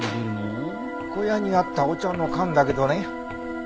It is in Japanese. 小屋にあったお茶の缶だけどね。